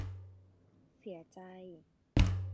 เสียใจ